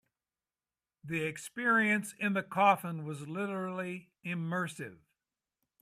The experience in the coffin was literally immersive.